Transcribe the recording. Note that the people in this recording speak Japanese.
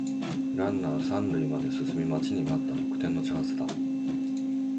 ランナー三塁まで進み待ちに待った得点のチャンスだ